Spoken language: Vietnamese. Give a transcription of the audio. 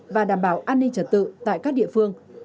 và đảm bảo an ninh trật tự tại các địa phương